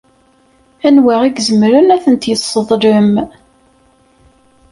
Anwa i izemren ad tent-yesseḍlem?